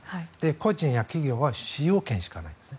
個人や企業は使用権しかないんです。